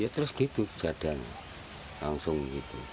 ya terus gitu kejadian langsung gitu